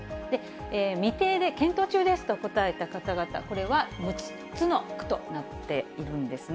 未定で検討中ですと答えた方々、これは６つの区となっているんですね。